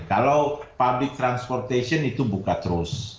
kalau transportasi publik itu buka terus